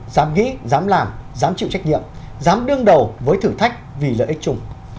dám nghĩ dám làm dám chịu trách nhiệm dám đương đầu với thử thách vì lợi ích chung